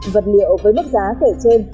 vật liệu với mức giá kể trên